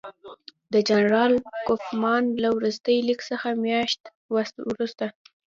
د جنرال کوفمان له وروستي لیک څه میاشت وروسته.